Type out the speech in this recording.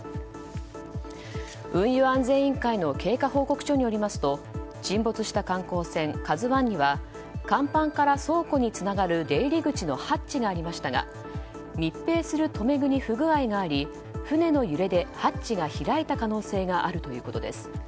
運輸安全委員会の経過報告書によりますと沈没した観光船「ＫＡＺＵ１」には甲板から倉庫につながる出入り口のハッチがありましたが密閉する留め具に不具合があり船の揺れでハッチが開いた可能性があるということです。